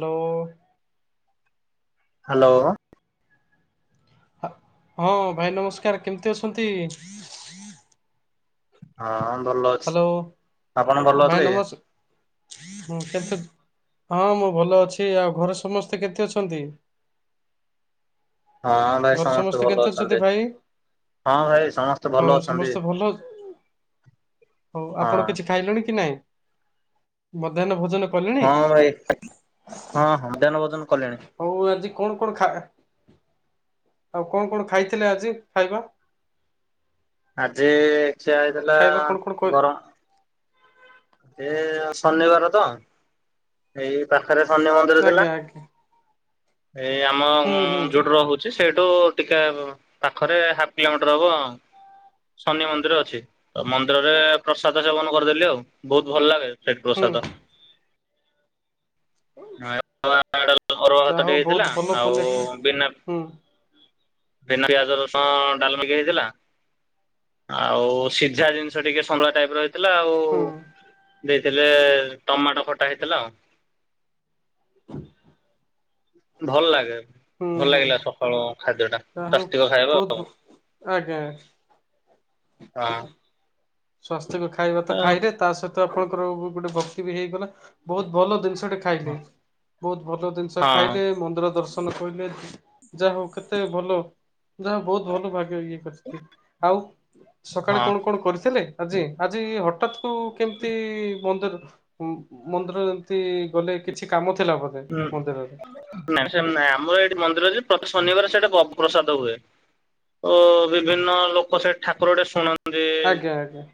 Hello. Hello. ହା ହଁ ଭାଇ ନମସ୍କାର କେମିତି ଅଛନ୍ତି। ହୁଁ ହଁ ଭଲ ଅଛି। ହ୍ୟାଲୋ ଆପଣ ଭଲ ଅଛନ୍ତି ଆଜ୍ଞା? ହଁ କେତେ ହଁ ମୁଁ ଭଲ ଅଛି। ଆଉ ଘରେ ସମସ୍ତେ କେତେ ଅଛନ୍ତି? ହଁ ଭାଇ ଘରେ ସମସ୍ତେ ଭଲ କେମିତି ଅଛନ୍ତି। ଭାଇ? ହଁ ଭାଇ ସମସ୍ତେ ହଉ ଭଲ ଅଛନ୍ତି। ସମସ୍ତେ ହୋଉ ହଁ ଆପଣ କିଛି ଖାଇଲେଣି କି ନାଇଁ? ମଧ୍ୟାହ୍ନ ଭୋଜନ କଲେଣି ହଁ ଭାଇ ହଁ ହଁ ମଧ୍ୟାନ ଭୋଜନ କଲେଣି। ହୋଉ ଆଜି କଣ କଣ ଖା ଆଉ କଣ କଣ ଖାଇଥିଲେ ଆଜି ଖାଇବା? ଆଜି ଚିଆ ହେଇଥିଲା ଖାଇବା କଣ କଣ କ ଗରମ। ଏ ଶନିବାର ତ ଏଇ ପାଖରେ ଶନି ମନ୍ଦିର ଆଜ୍ଞା ଥିଲା। ଆଜ୍ଞା ଏ ଆମ ହୁଁ ଉଁ ହୁଁ ଯୋଉଟ ରହୁ। ସେ ସେଇଠୁ ଟିକେ ପାଖରେ ହାପ କିଲୋମିଟର ହବ ଆଉ। ଶନି ମନ୍ଦିର ଅଛି। ତ ମନ୍ଦିରରେ ପ୍ରସାଦ ସେବନ କରଦେଲି ଆଉ। ବହୁତ ଭଲ ଲାଗେ ସେଠ ହୁଁ ପ୍ରସାଦ। ଅଇଁ ଆ। ଅଡଲ ଅରୁଆ ଯାହା ହଉ ଭାତଟେ ବହୁତ ହେଇଥିଲା ଭଲ ପୁଣ୍ୟ ଆଉ ହୁଁ ବିନା ହୁଁ ବିନା ପିଆଜ ରସୁଣ ଡାଲି ଟିକେ ହେଇଥିଲା। ଆଉ ସିଝା ଜିନିଷ ଟିକେ ସନ୍ତଳା ଟାଇପ ର ହେଇଥିଲା ଆଉ। ଦେଇଥିଲେ ଟମାଟୋ ଖଟା ହେଇଥିଲା ଆଉ। [inaudible] ଭଲ ଲାଗେ ହୁଁ ଭଲ ହୁଁ ଲାଗିଲା ସକାଳୁ ଖାଦ୍ୟ ଟା ଯାହା ହଉ ସ୍ୱାସ୍ତିିକ ଖାଇବା ବହୁତ ଆଉ। ଆଜ୍ଞା। ହଁ। ସ୍ୱାସ୍ତିକ ଖାଇବା ତ ଖାଇଲେ ତା ସହିତ ଆପଣଙ୍କର ଗୋଟେ ଭକ୍ତି ବି ହେଇଗଲା। ବହୁତ ଭଲ ଦିନଷ ଟେ ଖାଇଲେ। ବହୁତ ଭଲ ଜିନିଷ ଖାଇଲେ ମନ୍ଦିର ଦର୍ଶ ନ କଇଲେ ଯାହା ହୋଉ କେତେ ଭଲ। ଯାହା ହୋଉ ବହୁତ ଭଲ ଭାଗ୍ୟ ଇଏ କରିଚି। ଆଉ ହଁ ସକାଳେ ହଁ। କଣ କଣ କରଥିଲେ? ଆଜି ଆଜି ହଠାତ କୁ କେମତି ମନ୍ଦିର। ମନ୍ଦିର ଏମତି ଗଲେ କିଛି କାମ ଥିଲା ବୋଧେ ହୁଁ ମନ୍ଦିରରେ? ନାଇଁ ସେମିତ ନାଇଁ ଆମର ଏଇଠି ମନ୍ଦିରଯେ ପ୍ରତି ଶନିବାର ସେଟା ପ ପ୍ରସାଦ ହୁଏ। ଓ ବିଭିନ୍ନ ଲୋକ ସେ ଠାକୁର ଟେ ଶୁଣ ନ୍ତି। ଆଜ୍ଞା ଆଜ୍ଞା।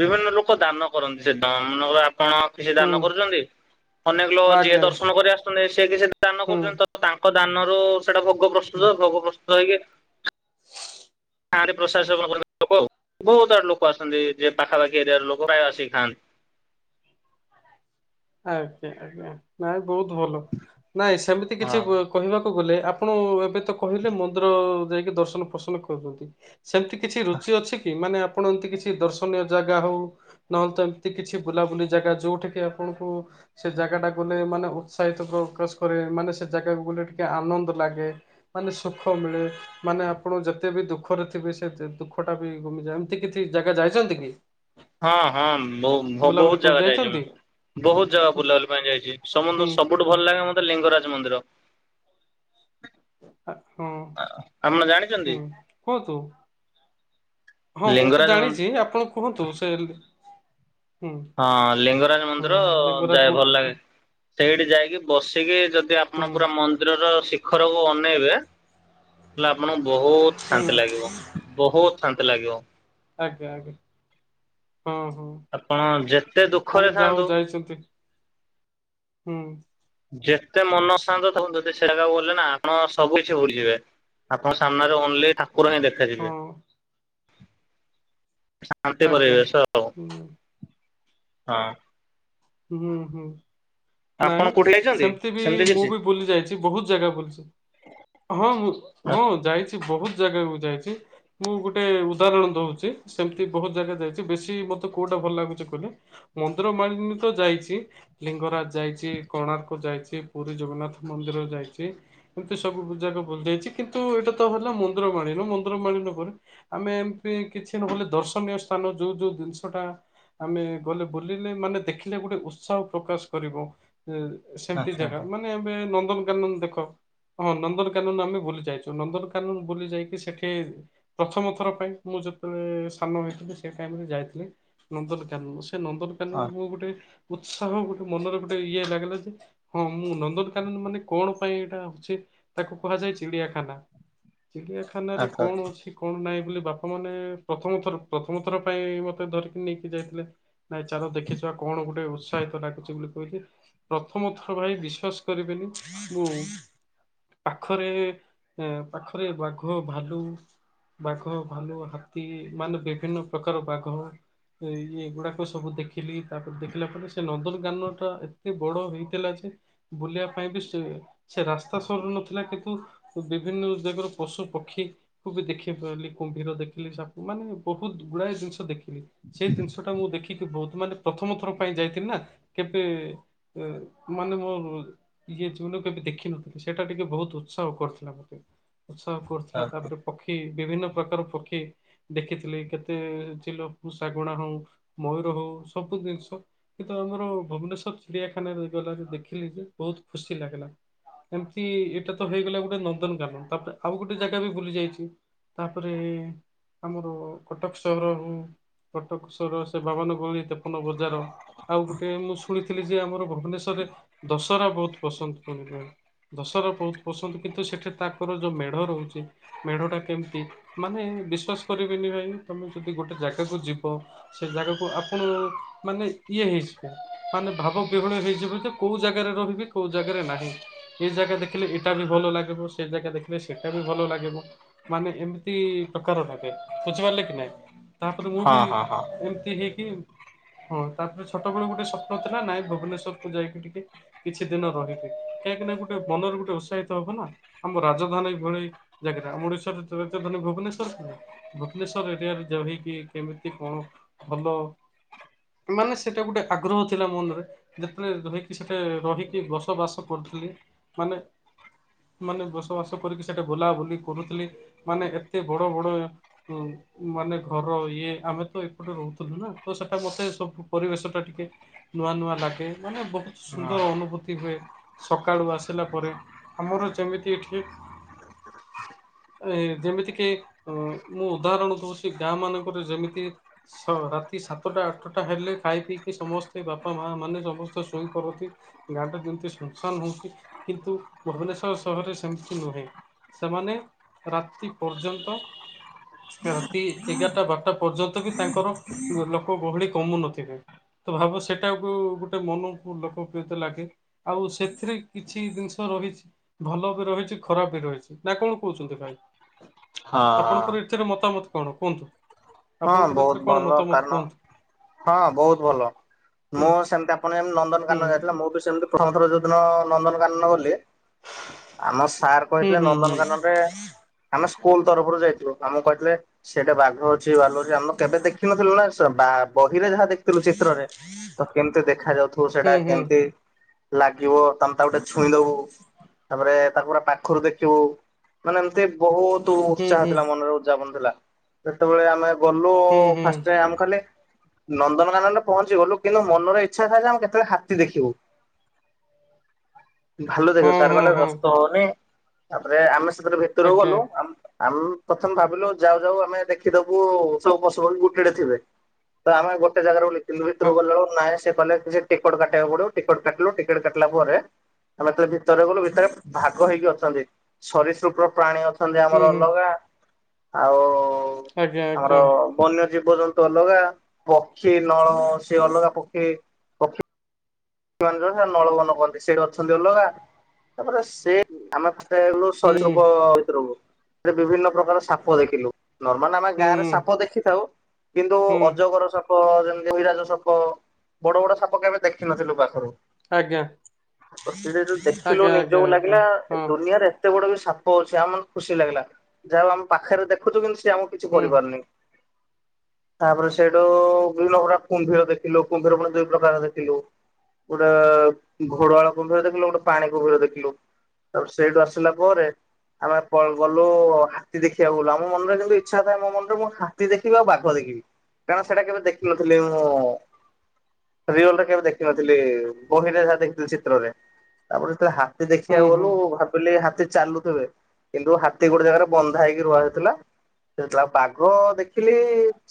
ବିଭିନ୍ନ ଲୋକ ଦାନ କରନ୍ତି ସେ ଦିନ। ନଉ ଆପଣ କିଛି ହୁଁ ଦାନ କରୁଚନ୍ତି। ଅନେକ ଲୋକ ଯିଏ ଆଜ୍ଞା ଦର୍ଶନ କରି ଆସୁଚନ୍ତି ସିଏ କିଛି ଦାନ ହୁଁ। କରୁଚନ୍ତି। ତ ତାଙ୍କ ଦାନ ରୁ ସେଟା ଭୋଗ ପ୍ରସ୍ତୁତ ଭୋଗ ପ୍ରସ୍ତୁତ ହେଇକି। ଗାଁ ରେ ପ୍ରଶାଦ ସେବନ କରନ୍ତି ଲୋକ ଆଉ। ବହୁତ ଆଡୁ ଲୋକ ଆସନ୍ତି ଯେ ପାଖାପାଖି ଏରିଆ ର ଲୋକ ପ୍ରାୟ ଆସିକି ଖାଆନ୍ତି। ଆଜ୍ଞା ଆଜ୍ଞା ନାଇଁ ବହୁତ ଭଲ। ନାଇଁ ସେମିତି କିଛି ହଁ। ବ କହିବାକୁ ଗଲେ ଆପଣ ଏବେ ତ କହିଲେ ମନ୍ଦିର ଯାଇକି ଦର୍ଶନ ଫସନ କରୁଚନ୍ତି। ସେମତି କିଛି ରୁଚି ଅଛି କି? ମାନେ ଆପ ଆପଣ ଏମତି କିଛି ଦର୍ଶନୀୟ ଜାଗା ହୋଉ, ନହେଲେ ତ ଏମତି କିଛି ବୁଲାବୁଲି ଜାଗା, ଯୋଉଠି କିି ଆପ ଆପଣ କୁ ସେ ଜାଗା ଟା କୁ ଗଲେ ମାନେ ଉତ୍ସାହିତ ପ୍ରକାଶ କରେ ମାନେ ସେ ଜାଗାକୁ ଗଲେ ଟିକେ ଆନନ୍ଦ ଲାଗେ। ମାନେ ସୁଖ ମିଳେ। ମାନେ ଆପଣ ଯେତେ ବି ଦୁଃଖରେଥିବେ ସେ ଦୁଃଖ ଟା ବି ଗମିଯାଆନ୍ତି ଏମ କିଛି ଜାଗା ଯାଇଚନ୍ତି କି? ହଁ ହଁ ବୋହୁ ବୋହୁତ ବୁଲାବୁଲି କରି ଜାଗା ଯାଇଚି ଯାଇଛନ୍ତି ମୁଁ। ବହୁତ ଜାଗା ବୁଲାବୁଲି ପାଇଁ ଯାଇଚି। ହୁଁ ସମୁନ ସୁବୁଠୁ ଭଲ ଲାଗେ ମତେ ଲିଙ୍ଗରାଜ ମନ୍ଦିର। ଆ ହଁ ଆପଣ ଜାଣିଛନ୍ତି ହୁଁ କୁହନ୍ତୁ? ହଁ ମୁଁ ତ ଲିଙ୍ଗରାଜ ମନ୍ଦି ଜାଣିଛି ଆପଣ କୁହନ୍ତୁ ସେ ହୁଁ ହଁ ଲିଙ୍ଗରାଜ ମନ୍ଦିର ହୁଁ ଲିଙ୍ଗରାଜ ଯାଏ ମ ଭଲ ଲାଗେ। ସେଇଠି ଯାଇକି ବସିକି ଯଦି ଆପଣ ହୁଁ ପୁରା ମନ୍ଦିରର ଶି ଖରକୁ ଅନେଇବେ ହେଲେ ଆପଣଙ୍କୁ ବହୁତ ହୁଁ ଶାନ୍ତି ଲାଗିବ। ବହୁତ ଶାନ୍ତି ଲାଗିବ। ଆଜ୍ଞା ଆଜ୍ଞା ହୁଁ ହୁଁ। ଆପଣ ଯେତେ ଦୁଃଖରେ ଥାନ୍ତୁ [unintelligible] ହୁଁ। ଯେତେ ମନ ଶାନ୍ତ ତା ଯଦି ସେ ଜାଗାକୁ ଗଲେ ନା ଆପଣ ସବୁ କିଛି ଭୁଲିଯିବେ। ଆପଙ୍କ ସାମ୍ନାରେ ଓନ୍ଲି ଠାକୁର ହିଁ ହଁ ଦେଖାଯିବେ। ଶାନ୍ତି ଆଜ୍ଞା ପରିବେଶ ଆଉ ହୁଁ ହଁ। ହୁଁ ହୁଁ। ଆପଣ ନାଇଁ କୋଉଠି ଯାଇଛନ୍ତି ସେମିତି ବି ମୁଁ କିଛି ବି ବୁଲି ଯାଇଛି ବହୁତ ଜାଗା ବୁଲିଛି ହଁ ମୁଁ ହଁ ଆଚ୍ଛା ଯାଇଛି ବହୁତ ଜାଗା ମୁଁ ଯାଇଛି ମୁଁ ଗୋଟେ ଉଦାହରଣ ଦଉଛି ସେମିତି ବହୁତ ଜାଗା ଯାଇଛି ବେଶୀ ମତେ କୋଉଟା ଭଲ ଲାଗୁଛି କହିଲେ ମନ୍ଦିର ମାଳିନୀ ତ ଯାଇଛି ଲିଙ୍ଗରାଜ ଯାଇଛି କୋଣାର୍କ ଯାଇଛି ପୁରୀ ଜଗନ୍ନାଥ ମନ୍ଦିର ଯାଇଛି ଏମିତି ସବୁ ଜାକ ବଯାଇଛି କିନ୍ତୁ ଏଇଟା ତ ହେଲା ମନ୍ଦିର ମାଳିନ ମନ୍ଦିର ମାଳିନ ପରେ ଆମେ ଏମତି କିଛି ନହେଲେ ଦର୍ଶନୀୟ ସ୍ଥାନ ଯୋଉ ଯୋଉ ଜିନିଷଟା ଆମେ ଗଲେ ବୁଲିଲେ ମାନେ ଦେଖ ଗୋଟେ ଉତ୍ସାହ ପ୍ରକାଶ କରିବ ସେମତି ଆଚ୍ଛା ଜାଗା ମାନେ ଏବେ ନନ୍ଦନକାନନ ଦେଖ ହଁ ନନ୍ଦନକାନନ ଆମେ ବୁଲି ଯାଇଛୁ ନନ୍ଦନକାନନ ବୁଲି ଯାଇକି ସେଠି ପ୍ରଥମ ଥର ପାଇଁ ମୁଁ ଯେତେବେଳେ ସାନ ହେଇଥିଲି ସେ ଟାଇମରେ ଯାଇଥିଲି। ନନ୍ଦନକାନନ ସେ ହଁ ନନ୍ଦନକାନନ ମୋ ଗୋଟେ ଉତ୍ସାହ ଗୋଟେ ମନରେ ଗୋଟେ ଇଏ ଲାଗିଲା ଯେ ହଁ ମୁଁ ନନ୍ଦନକାନନ ମାନେ କଣ ପାଇଁ ଏଇଟା ହଉଛି ତାକୁ କୁହାଯାଏ ଚିଡିଆଖାନା ଚିଡ଼ିଆଖାନାରେ ଆଚ୍ଛା କଣ ଆଚ୍ଛା ଅଛି? କଣ ନାଇଁ ବୋଲି ବାପା ମାନେ ପ୍ରଥମ ଥର ପ୍ରଥମଥର ପାଇଁ ମତେ ଧରିକି ନେଇକି ଯାଇଥିଲେ ନାଇଁ ଚାଲ ଦେଖିବା କଣ ଗୋଟେ ଉତ୍ସାହିତ ଲାଗୁଛି ବୋଲି। କ ପ୍ରଥମ ଥର ଭାଇ ବିଶ୍ଵାସ କରିବେନି ମୁଁ ପାଖରେ ପାଖରେ ବାଘ ଭାଲୁ ବାଘ ଭାଲୁ ହାତୀ ମାନେ ବିଭିନ୍ନ ପ୍ରକାର ବାଘ ଇ ଏଗୁଡାକ ସବୁ ଦେଖିଲି। ତାପରେ ଦେଖିଲା ପରେ ସେ ନନ୍ଦନ ଗାନ ଟା ଏତେ ବଡ ହେଇଥିଲା ଯେ ବୁଲିବା ପାଇଁ ବି ସେ ସେ ରାସ୍ତା ସରୁ ନଥିଲା କିନ୍ତୁ ବିଭିନ୍ନ ଦିଗର ପଶୁ ପକ୍ଷୀ ଖୁ ବି ଦେଖି ପାରିଲି କୁମ୍ଭୀର ଦେଖିଲି ସବୁ ମାନେ ବହୁତ୍ ଗୁଡ଼ାଏ ଜିନିଷ ଦେଖିଲି। ସେଇ ଜିନିଷ ଟା ମୁଁ ଦେଖିକି ବହୁତ୍ ମାନେ ପ୍ରଥମ ଥର ପାଇଁ ଯାଇଥିଲି ନା କେବେ ମାନେ ମୋର୍ ଇଏ ଯଉନ ବି ଦେଖିନଥିଲି ସେଇଟା ଟିକେ ବହୁତ୍ ଉତ୍ସାହ କରିଥିଲା ମତେ ଉତ୍ସାହ କରୁଥିଲା ଆଚ୍ଛା। ତାପରେ ପକ୍ଷୀ ବିଭିନ୍ନ ପ୍ରକାର ପକ୍ଷୀ ଦେଖିଥିଲି କେତେ ଚିଲ କୁ ଶାଗୁଣା ହଉ ମୟୂର ହଉ ସବୁ ଜିନିଷ କିନ୍ତୁ ଆମର ଭୁବନେଶ୍ଵର ଚିଡ଼ିଆଖାନାରେ ଗଲା ଯେ ଦେଖିଲି ଯେ ବହୁତ ଖୁସି ଲାଗିଲା। ଏମିତି ଏଇଟା ତ ହେଇଗଲା ଗୋଟେ ନନ୍ଦନକାନନ୍ ତାପରେ ଆଉ ଗୋଟେ ଜାଗା ବି ଭୁଲି ଯାଇଚି। ତାପରେ ଆମର-ଅ କଟକ ସହର ହଉ କଟକ ସହର ସେ ବାବନ ଗଳି ତେପନ ବଜାର। ଆଉ ଗୋଟେ ମୁଁ ଶୁଣିଥିଲି ଯେ ଆମର ଭୁବନେଶ୍ୱରରେ ଦଶହରା ବହୁତ୍ ପସନ୍ଦ ପୁଣି ହୁଏ। ଦଶହରା ବହୁତ୍ ପସନ୍ଦ କିନ୍ତୁ ସେଠି ତାଙ୍କର ଯଉ ମେଢ଼ ରହୁଛି ମେଢ଼ ଟା କେମିତି ମାନେ ବିଶ୍ଵାସ କରିବେନି ଭାଇ ତମେ ଯଦି ଗୋଟେ ଜାଗାକୁ ଯିବ ସେ ଜାଗାକୁ ଆପଣ-ଅ-ଅ ମାନେ ଇଏ ହେଇଯିବେ ମାନେ ଭାବ ବିହଳ ହେଇଯିବେ ଯେ କଉ ଜାଗାରେ ରହିବି କଉ ଜାଗାରେ ନାହିଁ। ଏ ଜାଗା ଦେଖିଲେ ଏଇଟା ବି ଭଲ ଲାଗିବ ସେ ଜାଗା ଦେଖିଲେ ସେଇଟା ବି ଭଲ ଲାଗିବ। ମାନେ ଏମିତି ପ୍ରକାର ଲାଗେ ବୁଝିପାରିଲେ କି ନାଇ? ତାପରେ ମୁଁ ହଁ ବି ହଁ ହଁ ଏମିତି ହେଇକି ହଁ ତାପରେ ଛୋଟ ବେଳେ ଗୋଟେ ସ୍ୱପ୍ନ ଥିଲା ନାଇ ଭୁବନେଶ୍ୱର୍ କୁ ଯାଇକି ଟିକେ କିଛି ଦିନ ରହିବି କାହିଁକି ନା ଗୋଟେ ମନରେ ଗୋଟେ ଉତ୍ସାହିତ ହବ ନା। ଆମ ରାଜଧାନୀ ଏଭଳି ଜାଗାରା ଆମ ଓଡ଼ିଶା ର ରାଜଧାନୀ ଭୁବନେଶ୍ଵର୍ କି ନାଇ? ଭୁବନେଶ୍ଵର୍ ଏରିଆରେ ଯହିକି କେମିତି କଣ ଭଲ। ମାନେ ସେଟା ଗୋଟେ ଆଗ୍ରହ ଥିଲା ମନରେ। ଯେତେବେଳେ ରହିକି ସେଠେ ରହିକି ବସବାସ କରୁଥିଲି ମାନେ ମାନେ ବସବାସ କରିକି ସେଠି ବୁଲାବୁଲି କରୁଥିଲି ମାନେ ଏତେ ବଡ଼ ବଡ଼ ଉଁ ମାନେ ଘର ଇଏ ଆମେ ତ ଏପଟେ ରହୁଥିଲୁ ନା ତ ସେ ସେଟା ମତେ ସବୁ ପରିବେଶ ଟା ଟିକେ ନୂଆ ନୂଆ ଲାଗେ ମାନେ ବହୁତ୍ ହଁ ସୁନ୍ଦର ଅନୁଭୂତି ହୁଏ। ସକାଳୁ ଆସିଲା ପରେ ଆମର ଯେମିତି ଏଠି ଏ ଯେମିତି କି ଉ ମୁଁ ଉଦାହରଣ ଦଉଛି ଗାଁ ମାନଙ୍କରେ ଯେମିତି ସ ରାତି ସାତ ସାତ ଟା ଆଠଟା ହେଲେ ଖାଇ ପିଇକି ସମସ୍ତେ ବାପା ମା ମାନେ ସମସ୍ତେ ଶୋଇପରନ୍ତି। ଗାଁଟା ଯେମିତି ସୁନ୍ ସାନ୍ ହଉଛି କିନ୍ତୁ ଭୁବନେଶ୍ଵର ସହରରେ ସେମିତି ନୁହେଁ। ସେମାନେ ରାତି ପର୍ଯ୍ୟନ୍ତ ରାତି ଏଗାରଟା ବାରଟା ପର୍ଯ୍ୟନ୍ତ ବି ତାଙ୍କର ଲୋକ ଗହଳି କମୁନଥିବେ। ତ ଭାବ ସେଟାକୁ-ଉ-ଉ ଗୋଟେ ମନକୁ ଲୋକପ୍ରିୟତା ଲାଗେ। ଆଉ ସେଥିରେ କିଛି ଜିନିଷ ରହିଛି ଭଲ ବି ରହିଛି ଖରାପ୍ ବି ରହିଛି ନା କଣ କହୁଛନ୍ତି ଭାଇ? ହଁ ଆପଣଙ୍କର ଏଥିରେ ମତାମତ କଣ କୁହନ୍ତୁ? ହଁ ଆପଣଙ୍କର ଏଥିରେ ବହୁତ୍ କଣ ଭଲ ମତାମତ କାରଣ କୁହନ୍ତୁ? ହଁ ବହୁତ୍ ଭଲ ହୁଁ ମୁଁ ସେମତି ଆପଣ ହୁଁ ନନ୍ଦନକାନନ୍ ଯାଇଥିଲେ ମୁଁ ବି ସେମିତି ପ୍ରଥମଥର ଯଉଦିନ ନନ୍ଦନକାନନ୍ ଗଲି ଆମ ସାର୍ ହୁଁ କହିଥିଲେ ହୁଁ ନନ୍ଦନକାନନ୍ ରେ ଆମେ ସ୍କୁଲ୍ ତରଫରୁ ଯାଇଥିଲୁ ଆମକୁ କହିଥିଲେ ସେଠି ବାଘ ଅ ଛି ଭାଲୁ ଅଛି ଆମେ କେବେ ଦେଖିନଥିଲୁ ନା ସ ବା-ଆ-ଆ ବହିରେ ଯାହା ଦେଖି ଥିଲୁ ଚିତ୍ରରେ ତ କେମିତି ଦେଖା ଯାଉଥିବ ହୁଁ ସେଟା ହୁଁ କେମତି ଲାଗିବ ତମେ ତାକୁ ଟିକେ ଛୁଇଁ ଦବୁ, ତାପରେ ତାକୁ ପୁରା ପାଖରୁ ଦେଖିବୁ ମାନେ ଏମ୍ ତି ବହୁତ୍ ହୁଁ ହୁଁ ଉତ୍ସାହ ହୁଁ ଥିଲା ମନରେ ଉଯାବନ୍ ଥିଲା। ଯେତେବେଳେ ଆମେ ଗଲୁ-ଉ-ଉ ହୁଁ ହୁଁ ଫାଷ୍ଟ୍ ଆମ କୁ କହିଲେ ନନ୍ଦନକାନନ୍ କଣ ଯିବ ଲୋ କିନ୍ତୁ ମନରେ ଇଛା ଥାଏ ଯେ ଆମେ କେତେବେଳେ ହାତୀ ଦେଖିବୁ। ଭାଲୁ ଦେଖ ହଁ ସାର୍ ହଁ କହିଲେ ହଁ ବ୍ୟସ୍ତ ହୁଅନି ତାପରେ ଆମେ ସେଥିରେ ଭିତରକୁ ଆଜ୍ଞା ଗଲୁ ଆ ଆମ୍ ପ୍ରଥମେ ଭାବିଲୁ ଯାଉ ଯାଉ ଆମେ ଦେଖ୍ ଖିଦବୁ-ଉ-ଉ ସବୁ ପଶୁପକ୍ଷୀ ଗୋଟେଟେ ଥିବେ ତ ଆମେ ଗୋଟେ ଜାଗାରେ ବୋଲି କିନ୍ତୁ ହଁ ଭିତରକୁ ଗଲା ବେଳକୁ ନାହିଁ ସେ କହିଲେ ଟିକେଟ କାଟିବାକୁ ପଡ଼ିବ ଟିକେଟ କାଟିଲୁ ଟିକଟ କାଟିଲା ପରେ ଆମେ ତ ଭିତରେ ଗଲୁ ଭିତରେ ଭାଗ ହେଇକି ଅଛନ୍ତି। ସରିସୃପ ପ୍ରାଣୀ ଅ ଅଛନ୍ତି ହୁଁ ଆମର ହୁଁ ଅଲଗା ଆଉ। ଆଜ୍ଞା ଆମର ଆଜ୍ଞା। ବନ୍ୟ ଜୀବଜନ୍ତୁ ଅଲଗା ପକ୍ଷୀ ନଳପକ୍ଷୀ ଅଲଗା ପକ୍ଷୀ। ପକ୍ଷୀ [unintelligible] ନଳବନ କୁହନ୍ତି ସେଇଠି ଅଛନ୍ତି ଅଲଗା। ତାପରେ ସେ ଆମେ ଠିଆ ହେଲୁ। ହୁଁ ସରିସୃପ ସେଠି ବିଭିନ୍ନ ପ୍ରକାର ସାପ ଦେଖିଲୁ। ନର୍ମାଲ ଆମେ ହୁଁ ଗାଁରେ ସାପ ଦେଖିଥାଉ। କିନ୍ତୁ ହୁଁ ଅଜଗର ସାପ ସାପ ଯେମିତି ଅହିରାଜ ସାପ ବଡ଼ ବଡ଼ ସାପ କେବେ ଦେଖିନଥିଲୁ ପାଖିରୁ। ଆଜ୍ଞା ସେଉରା ଯୋଉ ଦେଖିଲୁ ଆଜ୍ଞା ଆଜ୍ଞା ନିଜକୁ ଆଜ୍ଞା ଲାଗିଲା ଏ ହଁ ଦୁନିଆରେ କେତେ ବଡ଼ ଯୋଉ ସାପ ଅଛି। ଆମକୁ ଖୁସି ଲାଗିଲା। ଯାହା ହଉ ଆମ ପାଖରେ ଦେଖୁଚୁ କିନ୍ତୁ ସେ ଆମକୁ କିଛି ହୁଁ କରିପାରୁନି। ତାପରେ ସେଇଠୁ ବିଭିନ୍ନ ପ୍ରକାର କୁମ୍ଭୀର ଦେଖିଲୁ। କୁମ୍ଭୀର ପୁଣି ଦୁଇ ପ୍ରକାର ଦେଖିଲୁ। କୋଉଠା ଘରୁଆଳ କୁମ୍ଭୀର ଦେଖିଲୁ ଗୋଟେ ପାଣି କୁମ୍ଭୀର ଦେଖିଲୁ। ତାପରେ ସେଇଠୁ ଆସିଲା ପରେ ଆମେ ପ ଗଲୁ ହାତୀ ଦେଖିବାକୁ ଗଲୁ। ଆମ ମନରେ କିନ୍ତୁ ଇଚ୍ଛା ଥାଏ। ମୋ ମନରେ ମୁଁ ହାତୀ ଦେଖିବି ଆଉ ବାଘ ଦେଖିବି। କାରଣ ସେଇଟା କେବେ ଦେଖିନଥିଲି ମୁଁ ରିଏଲରେ କେବେ ଦେଖିନଥି ହେଲେ କୋଉଠିରେ ହାତୀ ଦେଖିଥିଲ ଚିତ୍ରରେ। ତାପରେ ତ ହାତୀ ହୁଁ ଦେଖିବାକୁ ହୁଁ ଗଲୁ ହା ମୁଁ କହିଲି ହାତୀ ଚାଲୁଥିବେ କିନ୍ତୁ ହାତୀ ଗୋଟେ ଜାଗାରେ ବନ୍ଧା ହେଇକି ରୁହା ହେଉଥିଲା। ସେ ଥିଲା ବାଘ ଦେଖିଲି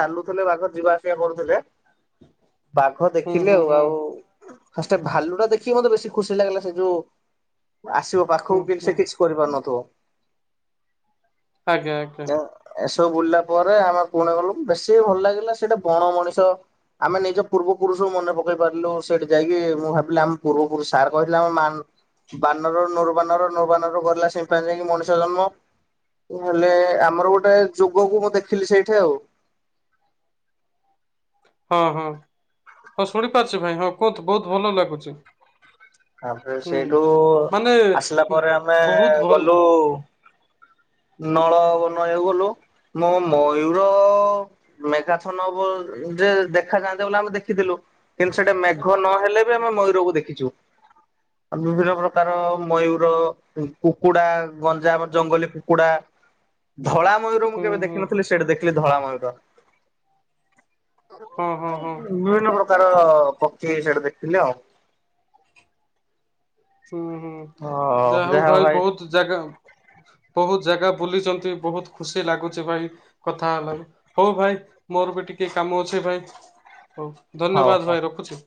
ଚାଲୁଥିଲେ ବାଘ ଯିବା ଆସିବା କରୁଥିଲେ। ବାଘ ହୁଁ ଦେଖିଲେ ହୁଁ ଆଉ ହୁଁ ଆଉ। ଫାଷ୍ଟ୍ ଭାଲୁଟା ଦେଖିକି ମତେ ବେଶୀ ଖୁସି ଲାଗିଲା। ସେ ଯୋଉ ଆସିବ ହୁଁ ପାଖକୁ କି ହୁଁ ସେ କିଛି କରିପାରୁନଥିବ। ଆଜ୍ଞା ଆଜ୍ଞା। ଏସବୁ ବୁଲିଲା ପରେ ଆମେ ପୁଣି ଗଲୁ ବେଶୀ ଭଲ ଲାଗିଲା ସେଇଟା ବଣ ମଣିଷ। ଆମେ ନିଜ ପୂର୍ବ ପୁରୁଷଙ୍କୁ ମନେ ପକେଇ ପାରିଲୁ। ତ ହେଠି ଯାଇକି ମୁଁ ଭାବିଲି ଆମ ପୂର୍ବ ପୁରୁଷ ସାର୍ କହିଥିଲେ ଆମ ମା ବାନରରୁ ନୂବାନର ନୂବାନରୁ ଗଲା ସିମ୍ପାଞ୍ଜି ନେଇକି ମଣିଷ ଜନ୍ମ। ତୁମ୍ ହେଲେ ଆମର ଗୋଟେ ଯୋଗକୁ ମୁଁ ଦେଖିଲି ସେଇଠି ଆଉ। ହଁ ହଁ ହଁ ଶୁଣିପାରୁଛି ଭାଇ ହଁ କୁହନ୍ତୁ ବହୁତ ଭଲ ଲାଗୁଛି। ତାପରେ ହୁଁ ସେଇଠୁ ମାନେ ଆସିଲା ପରେ ଆମେ ବହୁତ ଭଲ ଗଲୁ। ନଳବନ ଏଇ ଗଲୁ। ମୋ ମୟୂର ମେଘାଚ୍ଛନ୍ନ ହବ ଯେ ଦେଖାଯାଆନ୍ତା ବୋଲି ଆମେ ଦେଖିଦେଲୁ। କିନ୍ତୁ ସେଟା ମେଘ ନ ହେଲେ ବି ଆମେ ମୟୂରକୁ ଦେଖିଚୁ। ଆଉ ବିଭିନ୍ନ ପ୍ରକାର ମୟୂର ଏଇ କୁକୁଡ଼ା ଗଞ୍ଜା ଆମର ଜଙ୍ଗଲୀ କୁକୁଡ଼ା ଧଳା ମୟୂର ମୁଁ ହୁଁ କେବେ ହୁଁ ଦେଖିନଥିଲି ସେଠା ଦେଖିଲି ଧଳା ମୟୂର। ହଁ ହଁ ହଁ ବିଭିନ୍ନ ପ୍ରକାର ପକ୍ଷୀ ସେଇଟା ଦେଖିଥିଲି ଆଉ। ଉଁ ହୁଁ ଯାହା ହଉ ଭାଇ ବହୁତ ଜାଗା ବହୁତ ଜାଗା ବୁଲିଚନ୍ତି ବହୁତ ଖୁସି ଲାଗୁଛି ଭାଇ କଥା ହେଲାରୁ। ହଉ ଭାଇ ମୋର ବି ଟିକେ କାମ ଅଛି ଭାଇ ହଉ। ହଉ ଧନ୍ୟବାଦ ହଉ। ଭାଇ ରଖୁଛି।